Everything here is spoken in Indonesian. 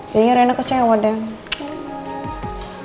jadinya rena kecewa deh